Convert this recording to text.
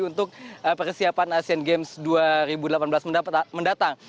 untuk persiapan asian games dua ribu delapan belas mendatang